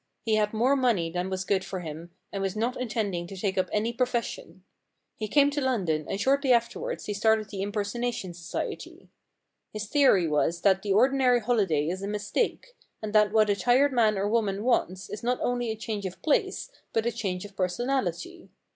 He had more money than was good for him and was not intending to take up any 229 The Problem Club profession. He came to London, and shortly afterwards he started the Impersonation Society. His theory was that the ordinary holiday is a mistake, and that what a tired man or woman wants is not only a change of place but a change of personality.